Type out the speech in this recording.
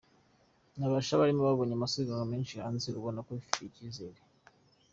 N’abashya barimo babonye amasiganwa menshi hanze, ubona ko bifitiye icyizere.”